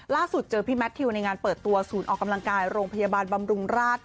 ล่าสุดเจอพี่แมททิวในงานเปิดตัวศูนย์ออกกำลังกายโรงพยาบาลบำรุงราช